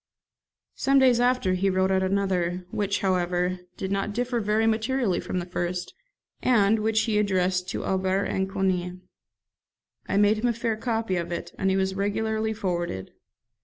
Some days after he wrote out another, which, however, did not differ very materially from the first, and which he addressed to Aubert and Coni. I made him a fair copy of it, and it was regularly forwarded.